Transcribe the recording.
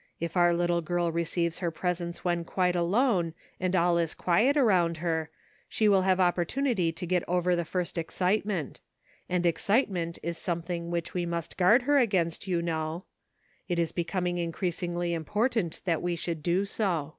'' If our little girl receives her presents when quite alone and all is quiet around her, she will have opportunity to get over the first excitement ; and excitement is something which we must 310 ''MERRY CHRISTMASr guard her against, you know. It is becoming increasingly important that we should do so."